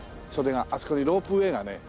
あそこにロープウェーがね